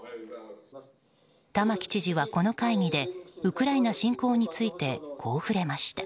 玉城知事は、この会議でウクライナ侵攻についてこう触れました。